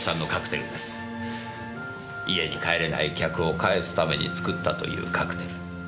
家に帰れない客を帰すために作ったというカクテル。